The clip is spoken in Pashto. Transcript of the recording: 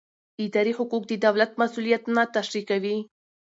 اداري حقوق د دولت مسوولیتونه تشریح کوي.